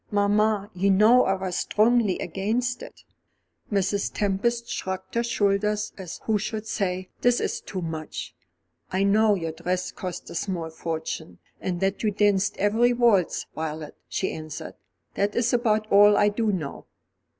"Mamma, you know I was strongly against it." Mrs. Tempest shrugged her shoulders as who should say, "This is too much!" "I know your dress cost a small fortune, and that you danced every waltz, Violet," she answered, "that is about all I do know."